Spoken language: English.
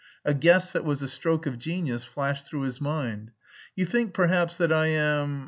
A guess that was a stroke of genius flashed through his mind. "You think perhaps that I am...